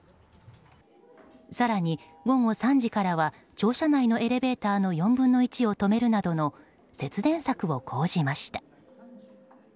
更に午後３時からは庁舎内のエレベーターの４分の１を止めるなどの節電策を講じました。